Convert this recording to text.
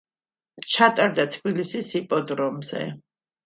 ჩატარდა თბილისის იპოდრომზე.